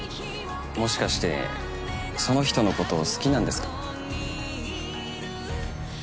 もしかしてその人のこと好きなんですか？